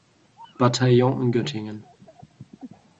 Bataillon in Göttingen.